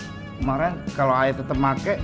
kemaren kalau ayah tetep pake